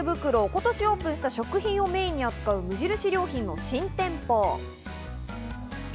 今年オープンした食品をメインに扱う無印良品の新店舗。